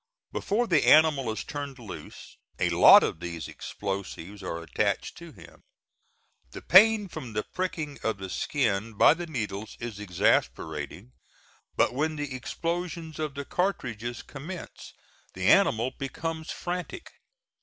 Before the animal is turned loose a lot of these explosives are attached to him. The pain from the pricking of the skin by the needles is exasperating; but when the explosions of the cartridges commence the animal becomes frantic.